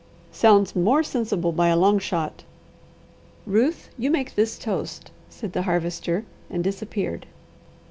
"Sounds more sensible by a long shot." "Ruth, you make this toast," said the Harvester and disappeared.